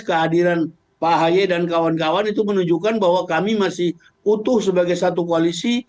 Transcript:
kehadiran pak ahy dan kawan kawan itu menunjukkan bahwa kami masih utuh sebagai satu koalisi